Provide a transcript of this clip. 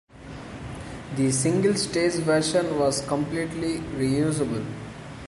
The single-stage version was completely reusable.